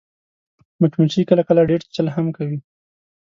مچمچۍ کله کله ډېر چیچل هم کوي